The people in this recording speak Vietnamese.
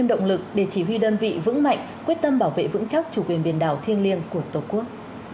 để chỉ huy đơn vị vững mạnh quyết tâm bảo vệ vững chóc chủ quyền biển đảo thiên liêng của tổ quốc